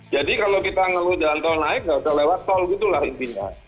jadi kalau kita ngeluh jalan tol naik nggak usah lewat tol gitulah intinya